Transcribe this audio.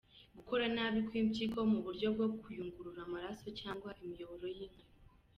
Gukora nabi kw’impyiko mu buryo bwo kuyungurura amaraso cyangwa imiyoboro y’inkari.